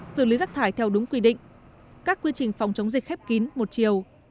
xử lý rác thải theo đúng quy định các quy trình phòng chống dịch khép kín một chiều